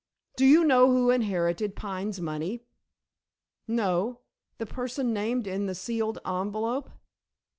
"Do you know who has inherited Pine's money?" "No. The person named in the sealed envelope?"